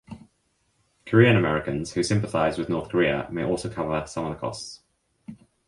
Korean Americans who sympathize with North Korea may also cover some of the costs.